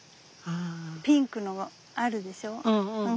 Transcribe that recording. ピンクのあるでしょ。